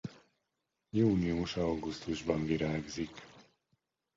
Június-augusztusban virágzik.